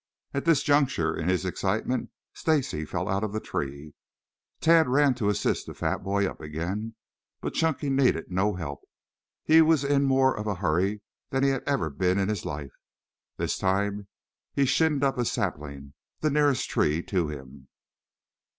At this juncture, in his excitement, Stacy fell out of the tree. Tad ran to assist the fat boy up again, but Chunky needed no help. He was in more of a hurry than he ever had been in his life. This time he shinned up a sapling, the nearest tree to him.